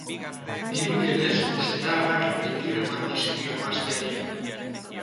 Dirudienez, senarrak bi tiro eman dizkio emazteari.